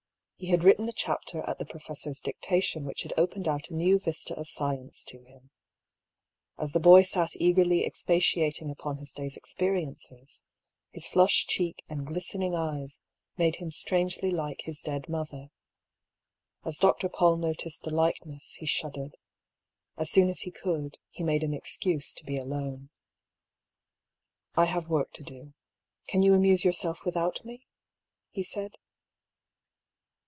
He had written a chapter at the professor's dictation which had opened out a new vista of science to him. As the boy sat eagerly 226 I>R PAULL'S THEORY. expatiating upon his day's experiences, his flushed cheek and glistening eyes made him strangely like his dead mother. As Dr. Paull noticed the likeness he shud dered. As soon as he could, he made an excuse to be alone. " I have work to do— can you amuse yourself with out me ?" he said.